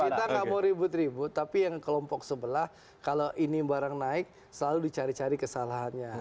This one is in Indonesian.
kita nggak mau ribut ribut tapi yang kelompok sebelah kalau ini barang naik selalu dicari cari kesalahannya